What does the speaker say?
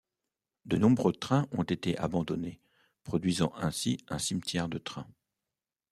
De nombreux trains ont été abandonnés, produisant ainsi un cimetière de trains.